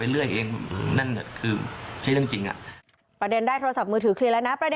เรื่องการลงการเงินของพวกเขา